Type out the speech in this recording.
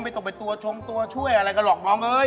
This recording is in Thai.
ไม่ต้องไปตัวชงตัวช่วยอะไรกันหรอกน้องเอ้ย